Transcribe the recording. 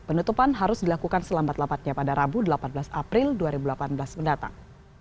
penutupan harus dilakukan selambat lambatnya pada rabu delapan belas april dua ribu delapan belas mendatang